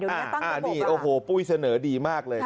เดี๋ยวนี้ตั้งกระบบอ๋อนี่โอ้โฮปุ้ยเสนอดีมากเลย